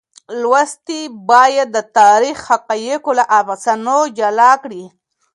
لوستونکي باید د تاریخ حقایق له افسانو جلا کړي.